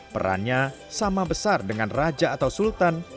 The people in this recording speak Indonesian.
perannya sama besar dengan raja atau sultan